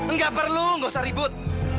nggak perlu nggak usah ribut